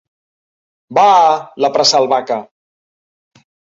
Vaaa! —l'apressà el Vaca.